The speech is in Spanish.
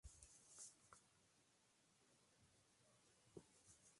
La excavación fue realizada por la Autoridad de Antigüedades de Israel.